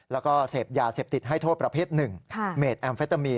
แล้วก็เสพยาเสพติดให้โทษประเภทหนึ่งเมดแอมเฟตามีน